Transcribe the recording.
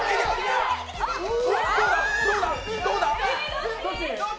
どうだ！？